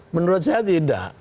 menurut saya tidak